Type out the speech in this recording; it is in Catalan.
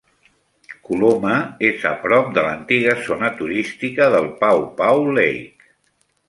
Coloma és a prop de l'antiga zona turística del Paw Paw Lake.